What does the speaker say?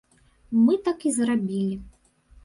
Мы так і зрабілі.